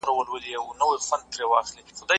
دا څېړنه باید له تعصب څخه پاکه وي.